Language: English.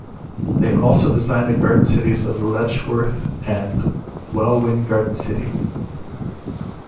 They also designed the garden cities of Letchworth and Welwyn Garden City.